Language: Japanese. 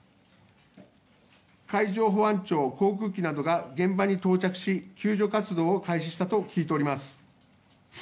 海上保安庁、航空機などが現場に到着し、救助活動を開始したと聞いております。